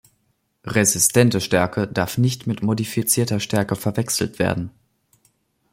Resistente Stärke darf nicht mit modifizierter Stärke verwechselt werden.